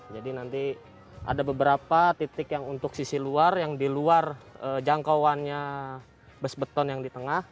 jadi nanti ada beberapa titik yang untuk sisi luar yang di luar jangkauannya bus beton yang di tengah